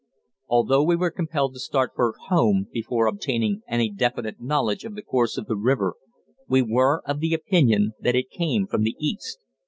Although we were compelled to start for "home" before obtaining any definite knowledge of the course of the river, we were of the opinion that it came from the east.